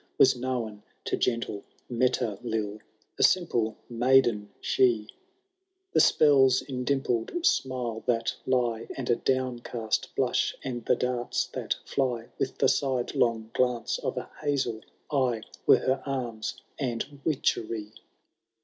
Was known to gentle Metelill, — A simple maiden she ; The spells in dimpled smile that lie, And a downcast blush, and the darts that fly With the sidelong glance of a hazel eye. Were her arms and witchery.